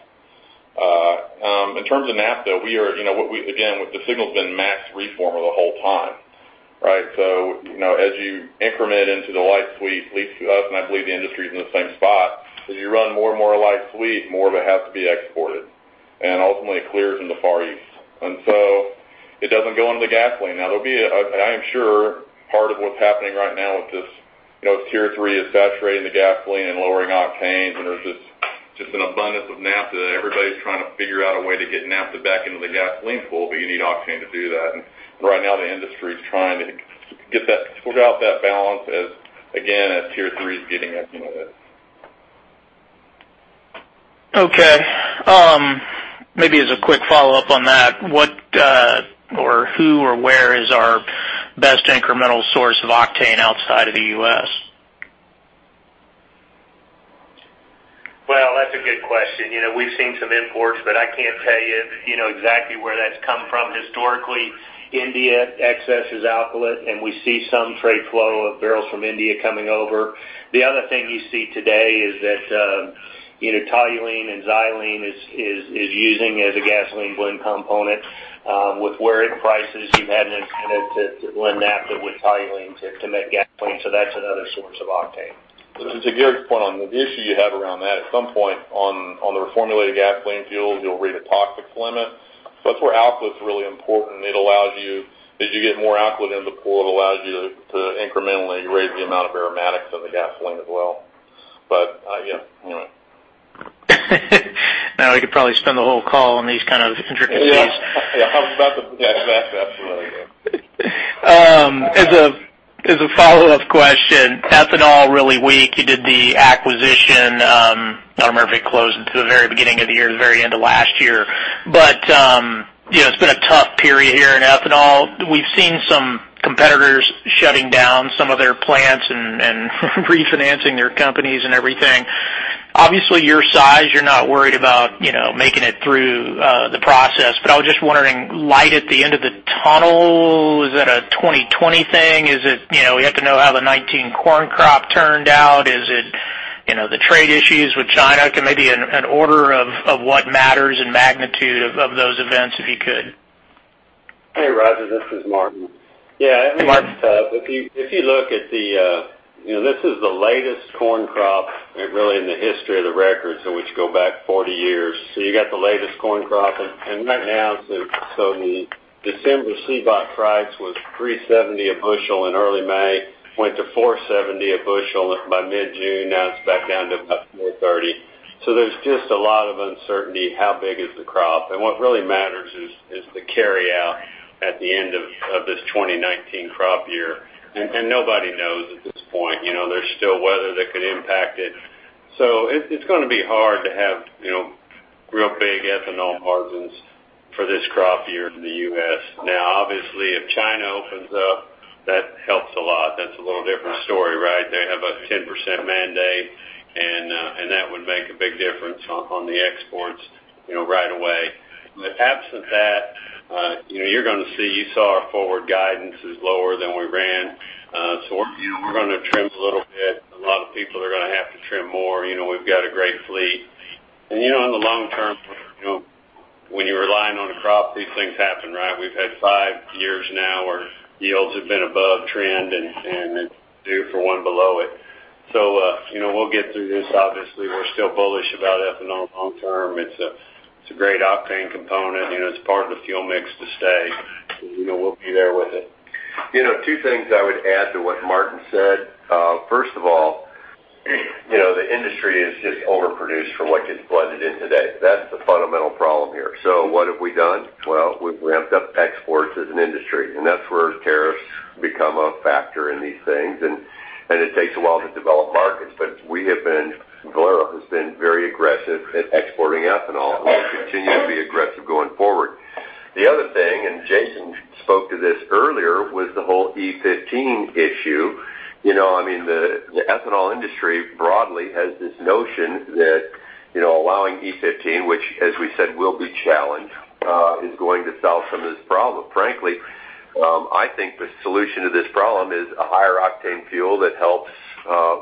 Speaker 7: In terms of naphtha, again, the signal's been max reformer the whole time, right? As you increment into the light sweet, at least for us, and I believe the industry's in the same spot. As you run more and more light sweet, more of it has to be exported. Ultimately, it clears in the Far East. It doesn't go into the gasoline. There'll be, I am sure part of what's happening right now with this Tier 3 is saturating the gasoline and lowering octanes, and there's just an abundance of naphtha that everybody's trying to figure out a way to get naphtha back into the gasoline pool, but you need octane to do that. Right now, the industry's trying to figure out that balance as, again, as Tier 3 is getting implemented.
Speaker 15: Okay. Maybe as a quick follow-up on that, what, or who, or where is our best incremental source of octane outside of the U.S.?
Speaker 5: Well, that's a good question. We've seen some imports, but I can't tell you exactly where that's come from. Historically, India excess is alkylate, and we see some trade flow of barrels from India coming over. The other thing you see today is that toluene and xylene is using as a gasoline blend component, with where it prices, you have an incentive to blend naphtha with toluene to make gasoline. That's another source of octane.
Speaker 7: To Gary's point on the issue you have around that, at some point on the reformulated gasoline fuel, you'll read a toxics limit. That's where alkylate's really important. As you get more alkylate in the pool, it allows you to incrementally raise the amount of aromatics in the gasoline as well.
Speaker 15: We could probably spend the whole call on these kind of intricacies.
Speaker 7: Yeah. I was about to. Yeah, absolutely.
Speaker 15: As a follow-up question, ethanol really weak. You did the acquisition. I don't remember if it closed at the very beginning of the year or the very end of last year. It's been a tough period here in ethanol. We've seen some competitors shutting down some of their plants and refinancing their companies and everything. Obviously, your size, you're not worried about making it through the process, but I was just wondering, light at the end of the tunnel, is it a 2020 thing? Is it we have to know how the 2019 corn crop turned out? Is it the trade issues with China? Maybe an order of what matters and magnitude of those events, if you could.
Speaker 12: Hey, Roger. This is Martin. Yeah, the market's tough. If you look at this is the latest corn crop, really in the history of the records in which go back 40 years. You got the latest corn crop, and right now, so the December CBOT price was 370 a bushel in early May, went to 470 a bushel by mid-June. Now it's back down to about 430. There's just a lot of uncertainty how big is the crop. What really matters is the carry out at the end of this 2019 crop year. Nobody knows at this point. There's still weather that could impact it. It's going to be hard to have Real big ethanol margins for this crop year in the U.S. Obviously, if China opens up, that helps a lot. That's a little different story, right? They have a 10% mandate, and that would make a big difference on the exports right away. Absent that, you saw our forward guidance is lower than we ran. We're going to trim a little bit. A lot of people are going to have to trim more. We've got a great fleet. In the long term, when you're relying on a crop, these things happen, right? We've had five years now where yields have been above trend, and it's due for one below it. We'll get through this. Obviously, we're still bullish about ethanol long term. It's a great octane component. It's part of the fuel mix to stay, and we'll be there with it.
Speaker 3: Two things I would add to what Martin said. First of all, the industry is just overproduced from what gets blended in today. That's the fundamental problem here. What have we done? Well, we've ramped up exports as an industry, and that's where tariffs become a factor in these things. It takes a while to develop markets. Valero has been very aggressive at exporting ethanol and will continue to be aggressive going forward. The other thing, and Jason spoke to this earlier, was the whole E15 issue. The ethanol industry broadly has this notion that allowing E15, which as we said will be challenged, is going to solve some of this problem. Frankly, I think the solution to this problem is a higher octane fuel that helps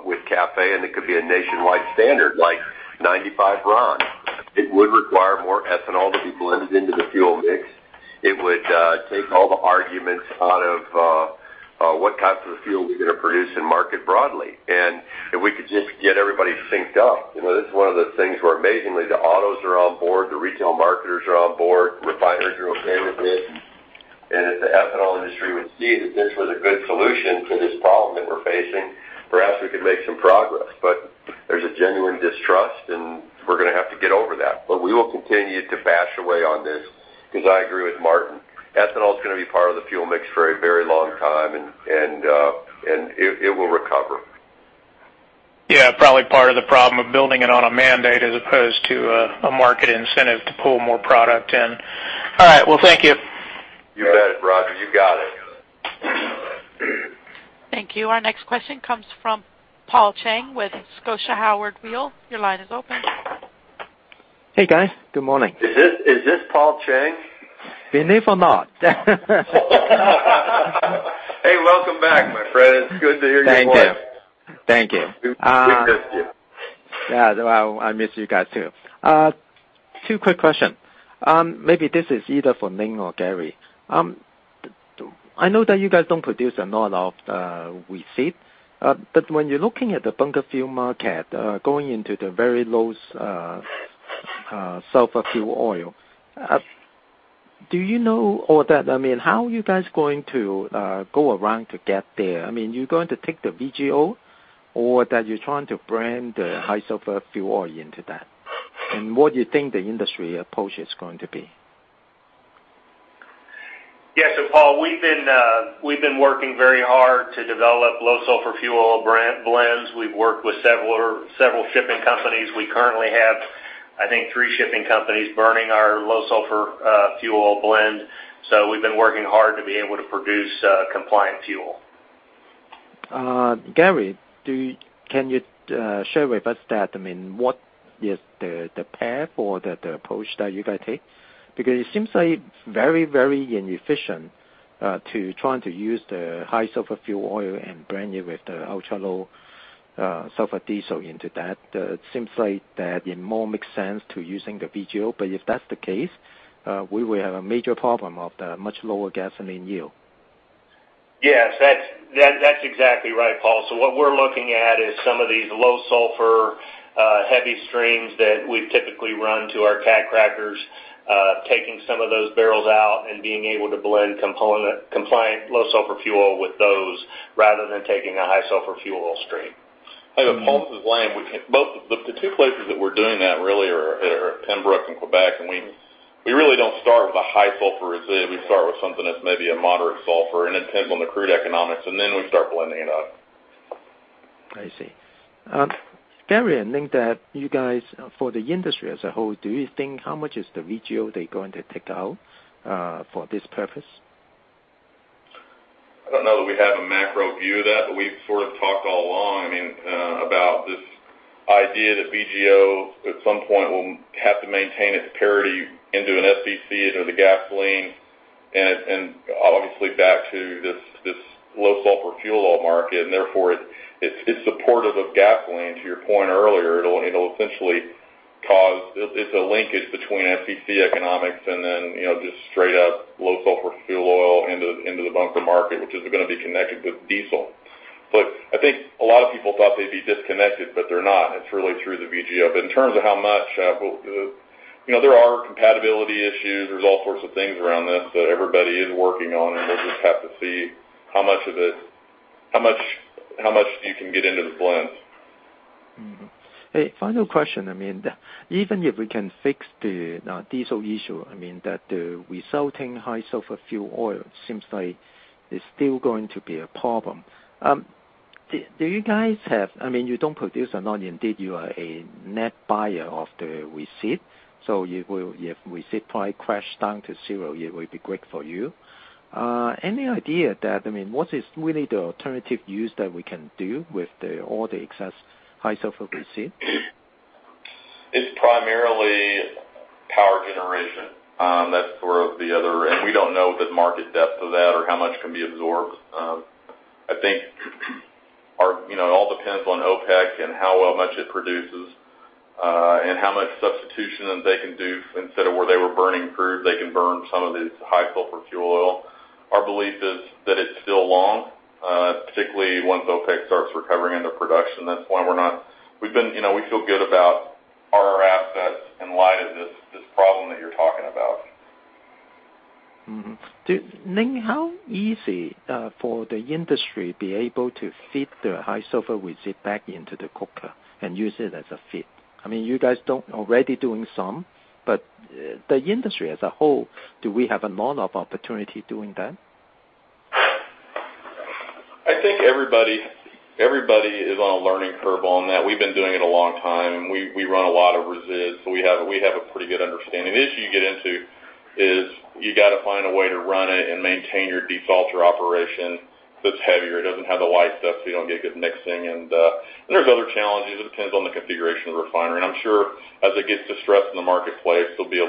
Speaker 3: with CAFE, and it could be a nationwide standard, like 95 RON. It would require more ethanol to be blended into the fuel mix. It would take all the arguments out of what types of fuel we're going to produce and market broadly, and if we could just get everybody synced up. This is one of those things where amazingly, the autos are on board, the retail marketers are on board, refineries are okay with it. If the ethanol industry would see that this was a good solution to this problem that we're facing, perhaps we could make some progress. There's a genuine distrust, and we're going to have to get over that. We will continue to bash away on this because I agree with Martin. Ethanol is going to be part of the fuel mix for a very long time, and it will recover.
Speaker 15: Yeah. Probably part of the problem of building it on a mandate as opposed to a market incentive to pull more product in. All right. Well, thank you.
Speaker 3: You bet, Roger. You got it.
Speaker 1: Thank you. Our next question comes from Paul Cheng with Scotia Howard Weil. Your line is open.
Speaker 16: Hey, guys. Good morning.
Speaker 3: Is this Paul Cheng?
Speaker 16: Believe it or not.
Speaker 3: Hey, welcome back, my friend. It's good to hear your voice.
Speaker 16: Thank you.
Speaker 3: We missed you.
Speaker 16: Yeah. Well, I missed you guys, too. Two quick question. Maybe this is either for Lane or Gary. I know that you guys don't produce a lot of HSFO, but when you're looking at the bunker fuel market, going into the very low sulfur fuel oil, how are you guys going to go around to get there? Are you going to take the VGO, or that you're trying to blend the high sulfur fuel oil into that? What do you think the industry approach is going to be?
Speaker 5: Yes. Paul, we've been working very hard to develop low sulfur fuel blends. We've worked with several shipping companies. We currently have, I think, three shipping companies burning our low sulfur fuel blend. We've been working hard to be able to produce compliant fuel.
Speaker 16: Gary, can you share with us what is the path or the approach that you guys take? It seems like very inefficient to trying to use the high sulfur fuel oil and blend it with the ultra-low sulfur diesel into that. It seems like that it more makes sense to using the VGO. If that's the case, we will have a major problem of the much lower gasoline yield.
Speaker 5: Yes, that's exactly right, Paul. What we're looking at is some of these low sulfur, heavy streams that we typically run to our cat crackers. Taking some of those barrels out and being able to blend compliant low sulfur fuel with those rather than taking a high sulfur fuel oil stream.
Speaker 7: Paul, this is Lane. The two places that we're doing that really are at Pembroke and Quebec, and we really don't start with a high sulfur residue. We start with something that's maybe a moderate sulfur and it depends on the crude economics, and then we start blending it up.
Speaker 16: I see. Gary and Lane, you guys, for the industry as a whole, do you think how much is the VGO they're going to take out for this purpose?
Speaker 7: I don't know that we have a macro view of that, but we've sort of talked all along about this idea that VGO at some point will have to maintain its parity into an FCC into the gasoline and obviously back to this low sulfur fuel oil market. Therefore, it's supportive of gasoline, to your point earlier. It's a linkage between FCC economics and then just straight up low sulfur fuel oil into the bunker market, which is going to be connected with diesel. I think a lot of people thought they'd be disconnected, but they're not. It's really through the VGO. In terms of how much, there are compatibility issues. There's all sorts of things around this that everybody is working on, and we'll just have to see how much you can get into the blends.
Speaker 16: Mm-hmm. Hey, final question. Even if we can fix the diesel issue, that the resulting high sulfur fuel oil seems like it's still going to be a problem. You don't produce ammonia? Indeed, you are a net buyer of the resid. If resid price crash down to zero, it will be great for you. Any idea that, what is really the alternative use that we can do with all the excess high sulfur resid?
Speaker 7: It's primarily power generation. That's the other. We do not know the market depth of that or how much can be absorbed. I think it all depends on OPEC and how much it produces, and how much substitution they can do instead of where they were burning crude, they can burn some of this high sulfur fuel oil. Our belief is that it's still long, particularly once OPEC starts recovering into production. That's why we feel good about our assets in light of this problem that you're talking about.
Speaker 16: How easy for the industry be able to fit the high sulfur resid back into the Coker and use it as a feed? You guys don't already doing some, but the industry as a whole, do we have a lot of opportunity doing that?
Speaker 7: I think everybody is on a learning curve on that. We've been doing it a long time, and we run a lot of resids, so we have a pretty good understanding. The issue you get into is you got to find a way to run it and maintain your desalter operation that's heavier. It doesn't have the light stuff, so you don't get good mixing, and there's other challenges. It depends on the configuration of the refinery. I'm sure as it gets distressed in the marketplace, everybody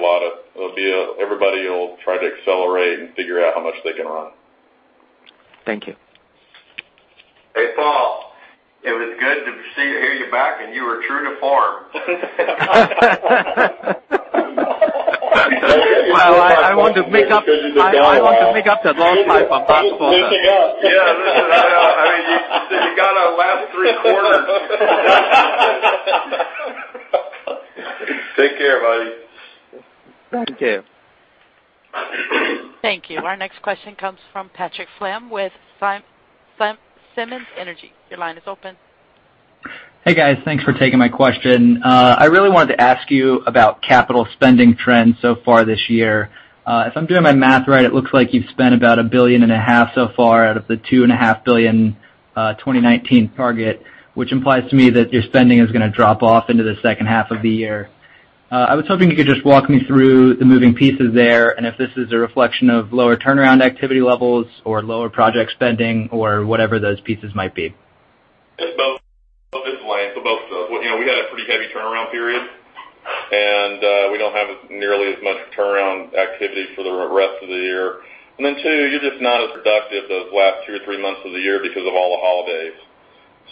Speaker 7: will try to accelerate and figure out how much they can run.
Speaker 16: Thank you.
Speaker 3: Hey, Paul. It was good to hear you back, and you were true to form.
Speaker 16: Well, I want to make up-
Speaker 3: Because you're the devil.
Speaker 16: I want to make up that lost time if possible.
Speaker 3: Listen up. Yeah. Listen. You got a last three quarters. Take care, buddy.
Speaker 16: Thank you.
Speaker 1: Thank you. Our next question comes from Patrick Flam with Simmons Energy. Your line is open.
Speaker 17: Hey, guys. Thanks for taking my question. I really wanted to ask you about capital spending trends so far this year. If I'm doing my math right, it looks like you've spent about a billion and a half so far out of the $2.5 billion 2019 target, which implies to me that your spending is going to drop off into the second half of the year. I was hoping you could just walk me through the moving pieces there, and if this is a reflection of lower turnaround activity levels or lower project spending or whatever those pieces might be.
Speaker 7: It's both. It's a blend. Both those. We had a pretty heavy turnaround period, and we don't have nearly as much turnaround activity for the rest of the year. Two, you're just not as productive those last two or three months of the year because of all the holidays.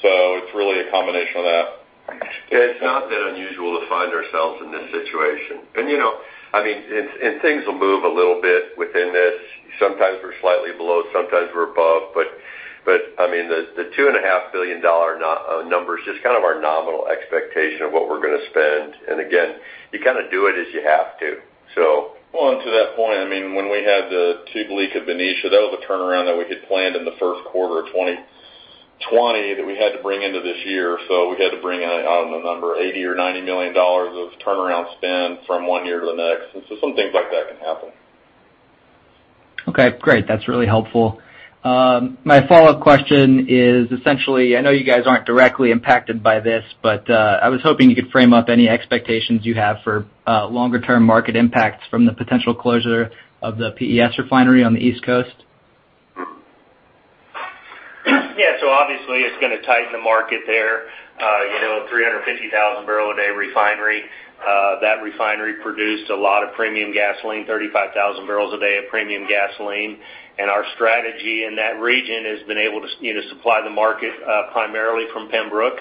Speaker 7: It's really a combination of that.
Speaker 17: Thanks.
Speaker 3: It's not that unusual to find ourselves in this situation. Things will move a little bit within this. Sometimes we're slightly below, sometimes we're above. The $2.5 billion number is just kind of our nominal expectation of what we're going to spend, and again, you kind of do it as you have to.
Speaker 7: Well, to that point, when we had the tube leak at Benicia, that was a turnaround that we had planned in the first quarter of 2020 that we had to bring into this year. We had to bring in, I don't know the number, $80 million or $90 million of turnaround spend from one year to the next. Some things like that can happen.
Speaker 17: Okay, great. That's really helpful. My follow-up question is essentially, I know you guys aren't directly impacted by this, but I was hoping you could frame up any expectations you have for longer-term market impacts from the potential closure of the PES refinery on the East Coast.
Speaker 5: Yeah. Obviously it's going to tighten the market there. 350,000 bbl a day refinery. That refinery produced a lot of premium gasoline, 35,000 bbls a day of premium gasoline. Our strategy in that region has been able to supply the market primarily from Pembroke.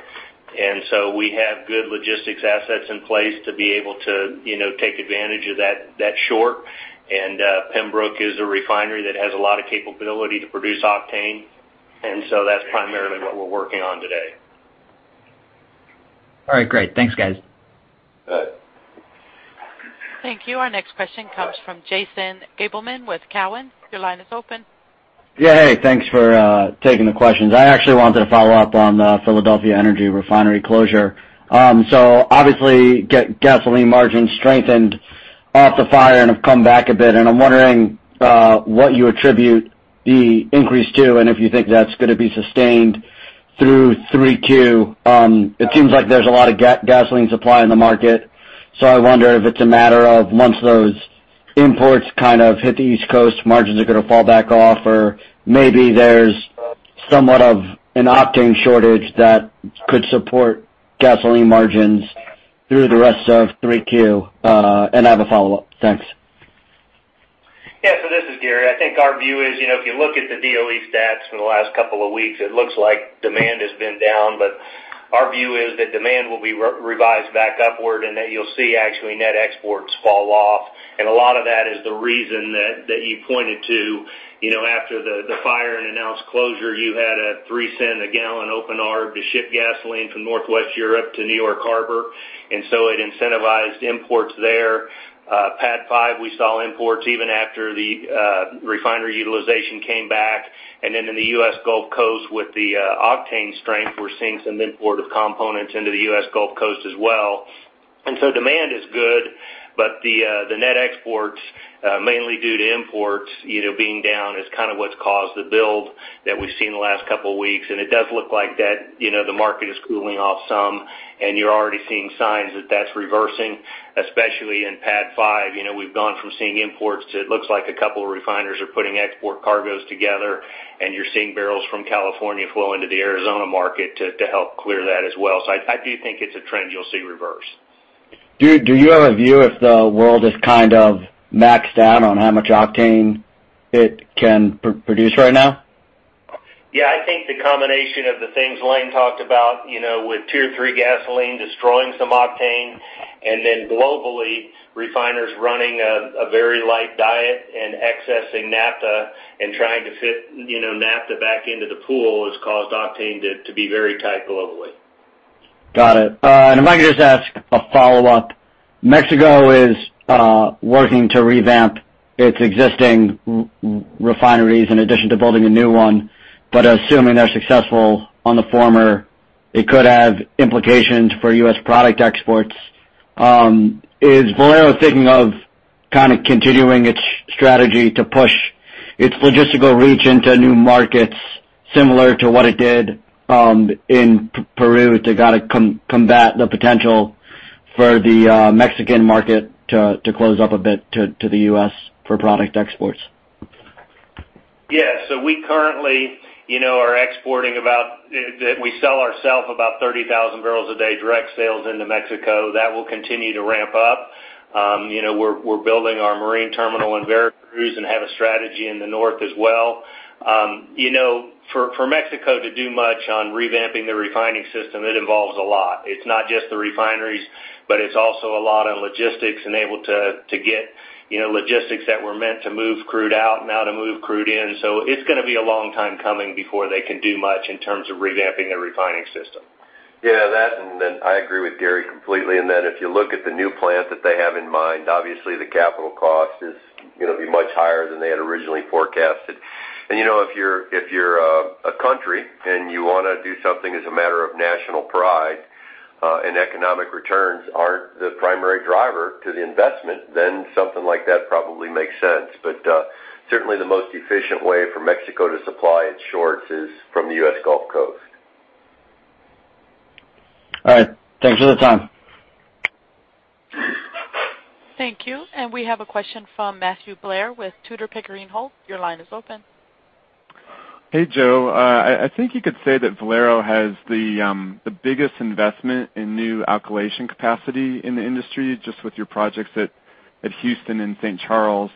Speaker 5: We have good logistics assets in place to be able to take advantage of that short. Pembroke is a refinery that has a lot of capability to produce octane. That's primarily what we're working on today.
Speaker 17: All right, great. Thanks, guys.
Speaker 3: You bet.
Speaker 1: Thank you. Our next question comes from Jason Gabelman with Cowen. Your line is open.
Speaker 18: Yeah. Hey, thanks for taking the questions. I actually wanted to follow up on the Philadelphia Energy Solutions closure. Obviously, gasoline margins strengthened off the fire and have come back a bit, and I'm wondering what you attribute the increase to and if you think that's going to be sustained through 3Q. It seems like there's a lot of gasoline supply in the market, I wonder if it's a matter of once those imports kind of hit the East Coast, margins are going to fall back off or maybe there's somewhat of an octane shortage that could support gasoline margins through the rest of 3Q. I have a follow-up. Thanks.
Speaker 5: This is Gary. I think our view is, if you look at the DOE stats from the last couple of weeks, it looks like demand has been down. Our view is that demand will be revised back upward and that you'll see actually net exports fall off. A lot of that is the reason that you pointed to. After the fire and announced closure, you had a $0.03 a gallon open arb to ship gasoline from Northwest Europe to New York Harbor, and so it incentivized imports there. PADD 5, we saw imports even after the refinery utilization came back. In the U.S. Gulf Coast with the octane strength, we're seeing some import of components into the U.S. Gulf Coast as well. Demand is good. The net exports, mainly due to imports being down, is what's caused the build that we've seen in the last couple of weeks. It does look like the market is cooling off some, and you're already seeing signs that that's reversing, especially in PADD 5. We've gone from seeing imports to it looks like a couple refiners are putting export cargoes together, and you're seeing barrels from California flow into the Arizona market to help clear that as well. I do think it's a trend you'll see reverse.
Speaker 18: Do you have a view if the world is maxed out on how much octane it can produce right now?
Speaker 5: Yeah. I think the combination of the things Lane talked about, with Tier 3 gasoline destroying some octane, and then globally refiners running a very light diet and excessing naphtha and trying to fit naphtha back into the pool, has caused octane to be very tight globally.
Speaker 18: Got it. If I could just ask a follow-up. Mexico is working to revamp its existing refineries in addition to building a new one. Assuming they're successful on the former, it could have implications for U.S. product exports. Is Valero thinking of continuing its strategy to push its logistical reach into new markets similar to what it did in Peru to combat the potential for the Mexican market to close up a bit to the U.S. for product exports?
Speaker 5: Yeah. We sell ourself about 30,000 bbls a day direct sales into Mexico. That will continue to ramp up. We're building our marine terminal in Veracruz and have a strategy in the north as well. For Mexico to do much on revamping their refining system, it involves a lot. It's not just the refineries, but it's also a lot of logistics and able to get logistics that were meant to move crude out, now to move crude in. It's going to be a long time coming before they can do much in terms of revamping their refining system.
Speaker 3: Yeah. That, I agree with Gary completely. If you look at the new plant that they have in mind, obviously the capital cost is going to be much higher than they had originally forecasted. If you're a country and you want to do something as a matter of national pride, and economic returns aren't the primary driver to the investment, then something like that probably makes sense. Certainly the most efficient way for Mexico to supply its shorts is from the U.S. Gulf Coast.
Speaker 18: All right. Thanks for the time.
Speaker 1: Thank you. We have a question from Matthew Blair with Tudor, Pickering, Holt. Your line is open.
Speaker 19: Hey, Joe. I think you could say that Valero has the biggest investment in new alkylation capacity in the industry, just with your projects at Houston and St. Charles.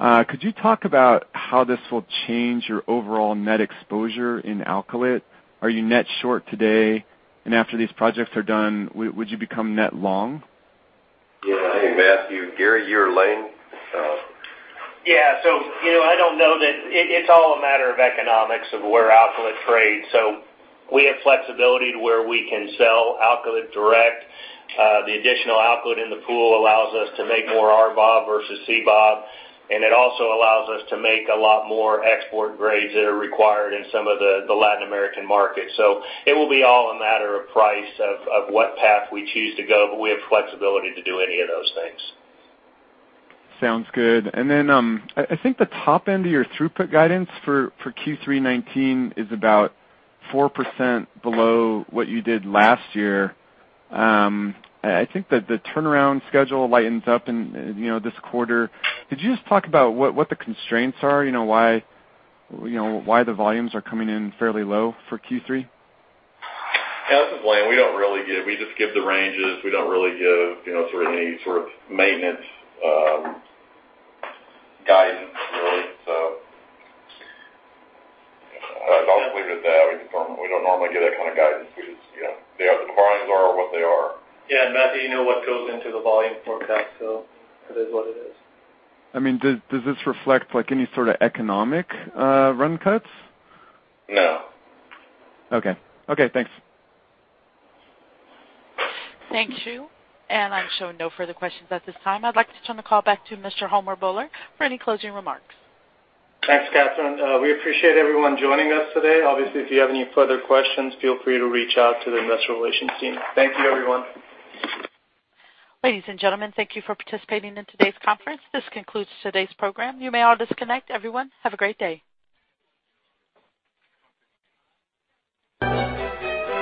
Speaker 19: Could you talk about how this will change your overall net exposure in alkylate? Are you net short today, and after these projects are done, would you become net long?
Speaker 3: Yeah. Hey, Matthew. Gary, you or Lane?
Speaker 5: Yeah. It's all a matter of economics of where alkylate trades. We have flexibility to where we can sell alkylate direct. The additional output in the pool allows us to make more RBOB versus CBOB, and it also allows us to make a lot more export grades that are required in some of the Latin American markets. It will be all a matter of price, of what path we choose to go, but we have flexibility to do any of those things.
Speaker 19: Sounds good. I think the top end of your throughput guidance for Q3 2019 is about 4% below what you did last year. I think that the turnaround schedule lightens up this quarter. Could you just talk about what the constraints are? Why the volumes are coming in fairly low for Q3?
Speaker 7: Yeah, this is Lane. We just give the ranges. We don't really give any sort of maintenance guidance, really. I'll just leave it at that. We don't normally give that kind of guidance. The volumes are what they are.
Speaker 5: Matthew, you know what goes into the volume forecast, so it is what it is.
Speaker 19: Does this reflect any sort of economic run cuts?
Speaker 7: No.
Speaker 19: Okay. Okay, thanks.
Speaker 1: Thank you. I'm showing no further questions at this time. I'd like to turn the call back to Mr. Homer Bhullar for any closing remarks.
Speaker 2: Thanks, Catherine. We appreciate everyone joining us today. Obviously, if you have any further questions, feel free to reach out to the investor relations team. Thank you, everyone.
Speaker 1: Ladies and gentlemen, thank you for participating in today's conference. This concludes today's program. You may all disconnect. Everyone, have a great day.